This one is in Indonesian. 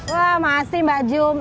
wah makasih mbak jum